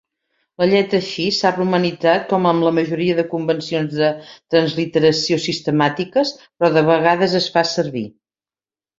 La lletra Chi s'ha romanitzat com en la majoria de convencions de transliteració sistemàtiques, però de vegades es fa servir.